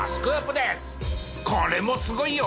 これもすごいよ！